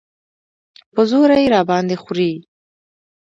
په زوره یې راباندې خورې.